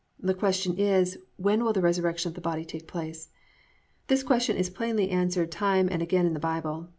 That question is, when will the resurrection of the body take place? This question is plainly answered time and again in the Bible.